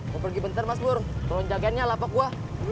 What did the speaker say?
mau pergi bentar mas bur peronjakan nyala pak gue